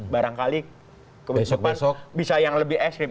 barangkali kebencian bisa yang lebih ekstrim